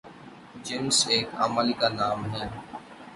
جنس ایک عمل کا نام ہے